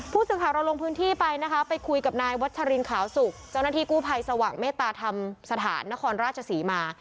ผู้สื่อข่าวเราลงพื้นที่ไปนะคะไปคุยกับนายวัชรินขาวสุกเจ้าหน้าที่กู้ภัยสว่างเมตตาธรรมสถานนครราชศรีมา